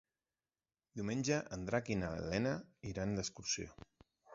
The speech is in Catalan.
Diumenge en Drac i na Lena iran d'excursió.